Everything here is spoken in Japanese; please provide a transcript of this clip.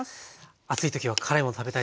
暑い時は辛いもの食べたいですよね。